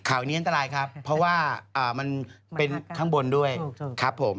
นี้อันตรายครับเพราะว่ามันเป็นข้างบนด้วยครับผม